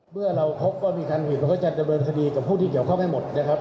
เมื่อเราพบว่ามีการผิดเราก็จะดำเนินคดีกับผู้ที่เกี่ยวข้องให้หมดนะครับ